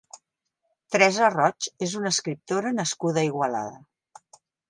Teresa Roig és una escriptora nascuda a Igualada.